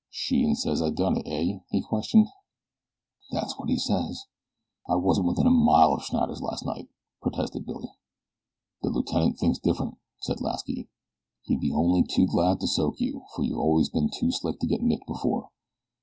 "Sheehan says I done it, eh?" he questioned. "That's what he says." "I wasn't within a mile of Schneider's that night," protested Billy. "The Lieut thinks different," said Lasky. "He'd be only too glad to soak you; for you've always been too slick to get nicked before.